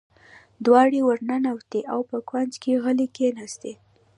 دواړې ور ننوتې او په کونج کې غلې کېناستې.